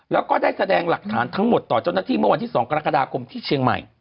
แล้วก็ได้แสดงหลักฐานทั้งหมดต่อเจ้าหน้าที่เมื่อวันที่๒กรกฎาคมที่เชียงใหม่